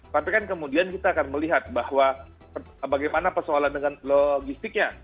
tapi kan kemudian kita akan melihat bahwa bagaimana persoalan dengan logistiknya